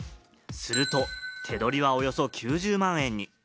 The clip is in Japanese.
すると手取りは、およそ９０万円に。